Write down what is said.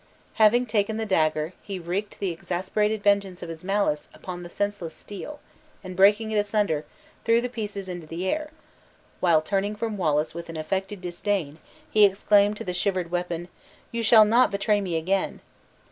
Having taken the dagger, he wreaked the exasperated vengeance of his malice upon the senseless steel, and breaking it asunder, threw the pieces into the air; while turning from Wallace with an affected disdain, he exclaimed to the shivered weapon, "You shall not betray me again!"